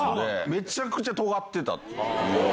めちゃくちゃとがってた。